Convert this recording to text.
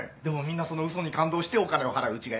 でもみんなその嘘に感動してお金を払う。